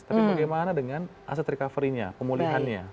tapi bagaimana dengan aset recovery nya pemulihan nya